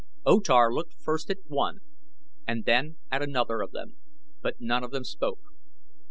O Tar looked first at one and then at another of them; but none of them spoke.